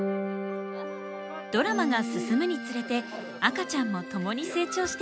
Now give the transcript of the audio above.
ドラマが進むにつれて赤ちゃんも共に成長していきます。